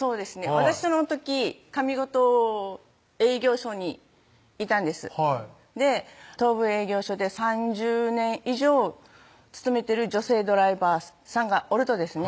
私その時上五島営業所にいたんですで東部営業所で３０年以上勤めてる女性ドライバーさんがおるとですね